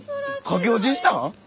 駆け落ちしたん！？